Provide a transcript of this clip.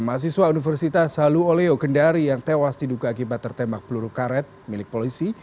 mahasiswa universitas haluo leo kendari yang tewas diduka akibat tertembak peluru karet milik polisi